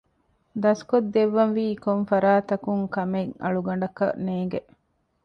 ދަސްކޮށްދެއްވަންވީ ކޮންފަރާތަކުން ކަމެއް އަޅުގަނޑަކަށް ނޭނގެ